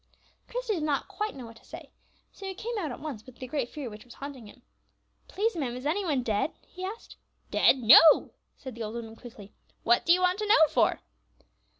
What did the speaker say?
Christie did not quite know what to say, so he came out at once with the great fear which was haunting him. "Please, ma'am, is any one dead?" he asked. "Dead? No!" said the old woman, quickly. "What do you want to know for?"